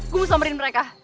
gue mau somberin mereka